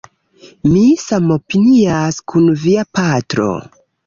Mi samopinias kun via patro